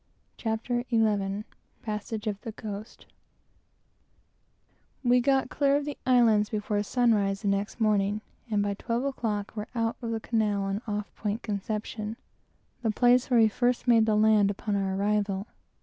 CHAPTER XI PASSAGE UP THE COAST MONTEREY We got clear of the islands before sunrise the next morning, and by twelve o'clock were out of the canal, and off Point Conception, the place where we first made the land upon our arrival.